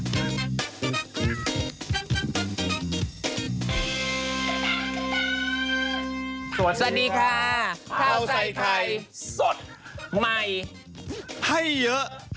ป๊าตกใจหมดเลยป๊ายู